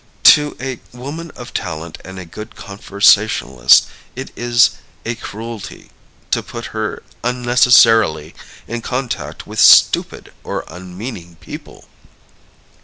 To a woman of talent and a good conversationalist it is a cruelty to put her unnecessarily in contact with stupid or unmeaning people.